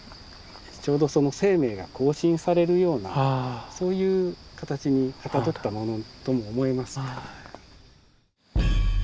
ちょうどその生命が更新されるようなそういう形にかたどったものとも思えます。